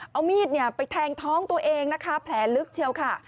เอามีดไปแทงท้องตัวเองนะคะแผลลึกเชียวค่ะ